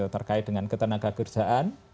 terkait dengan ketenaga kerjaan